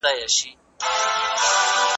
ځمکې ته نږدې اسټروېډونه خطرناک کیدای شي.